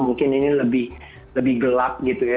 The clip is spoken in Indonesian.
mungkin ini lebih gelap gitu ya